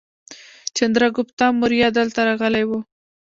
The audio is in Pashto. چندراګوپتا موریه دلته راغلی و